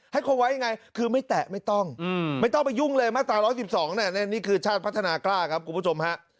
คงไว้ยังไงคือไม่แตะไม่ต้องไม่ต้องไปยุ่งเลยมาตรา๑๑๒นี่คือชาติพัฒนากล้าครับคุณผู้ชมฮะ